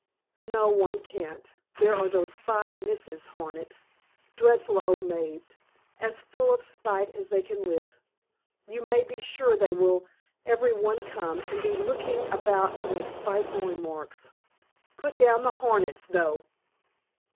"No, one can't. There are those five Misses Hornet, dreadful old maids! as full of spite as they can live. You may be sure they will every one come, and be looking about to make spiteful remarks. Put down the Hornets, though."